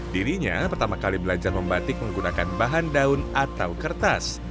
dirinya pertama kali belajar membatik menggunakan bahan daun atau kertas